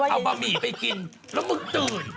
เอาบะหมี่ไปกินแล้วมึงตื่น